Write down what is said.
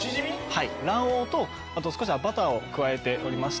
卵黄とあと少しバターを加えておりまして。